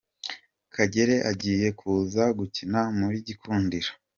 Kagere agiye kuza gukina muri gikundiro